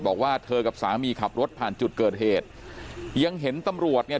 บอกว่าเธอกับสามีขับรถผ่านจุดเกิดเหตุยังเห็นตำรวจเนี่ย